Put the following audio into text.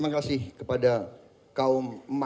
dengan clicking aussi